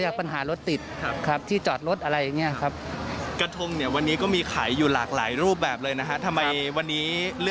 ใกล้ที่จะลอยเราไม่อยากถือมาจากไกล